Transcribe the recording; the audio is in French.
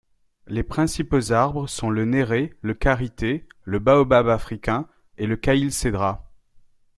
Les principaux arbres sont le néré, le karité, le baobab africain et le caïlcédrat.